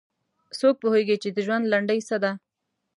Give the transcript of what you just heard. څوک پوهیږي چې د ژوند لنډۍ څه ده